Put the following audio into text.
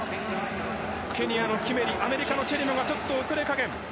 ケニアのキメリアメリカのチェリモがちょっと遅れかけ。